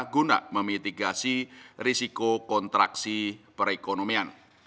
guna memitigasi risiko kontraksi perekonomian